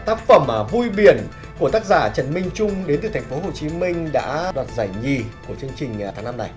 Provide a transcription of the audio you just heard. tác phẩm vui biển của tác giả trần minh trung đến từ thành phố hồ chí minh đã đoạt giải nhì của chương trình tháng năm này